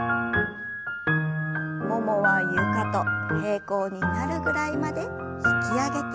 ももは床と平行になるぐらいまで引き上げて。